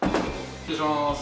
失礼します。